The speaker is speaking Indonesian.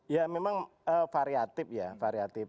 ya memang variatif ya variatif